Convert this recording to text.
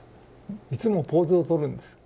いつもポーズをとるんです。